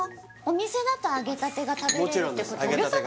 お店だと揚げたてが食べれるってこと？